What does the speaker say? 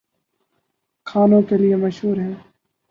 کھانوں کے لیے مشہور ہیں